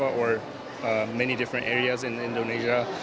atau di banyak area area di indonesia